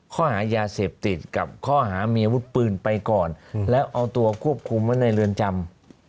ข้อหายาเสพติดกับข้อหามีอาวุธปืนไปก่อนแล้วเอาตัวควบคุมไว้ในเรือนจำ